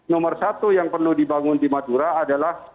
nomor satu yang perlu dibangun di madura adalah